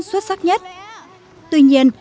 xuất sắc nhất tuy nhiên